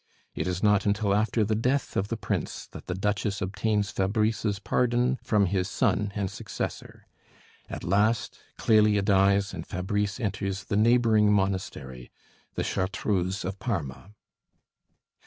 It is not until after the death of the Prince that the Duchess obtains Fabrice's pardon from his son and successor. At last Clélia dies, and Fabrice enters the neighboring monastery, the Chartreuse of Parma.